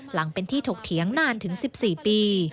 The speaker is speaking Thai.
หลังเป็นที่ถกเถียงนานถึง๑๔ปี